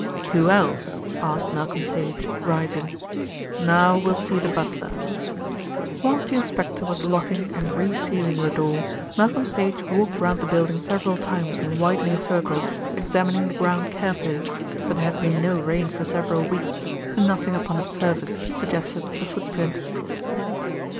"Who else?" asked Malcolm Sage, rising. "Now we'll see the butler." Whilst the inspector was locking and re sealing the door, Malcolm Sage walked round the building several times in widening circles, examining the ground carefully; but there had been no rain for several weeks, and nothing upon its surface suggested a footprint.